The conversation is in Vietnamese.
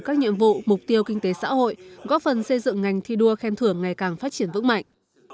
các nhiệm vụ mục tiêu kinh tế xã hội góp phần xây dựng ngành thi đua khen thưởng ngày càng phát triển vững mạnh